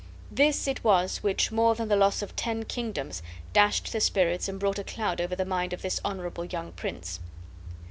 This it was which more than the loss of ten kingdoms dashed the spirits and brought a cloud over the mind of this honorable young prince.